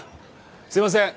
すいません！